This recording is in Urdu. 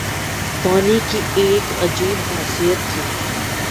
پانی کی ایک عجیب خاصیت تھی